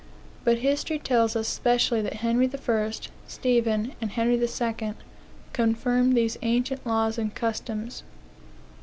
But history tells us specially that Henry I., Stephen, and Henry II., confirmed these ancient laws and customs.